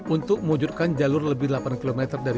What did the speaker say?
untuk mewujudkan jalur lebih delapan km dari